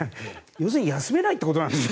要するに休めないということですね。